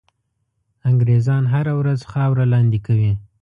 انګرېزان هره ورځ خاوره لاندي کوي.